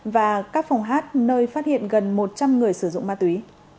và các phòng hát nơi phát hiện gần một trăm linh người sử dụng ma túy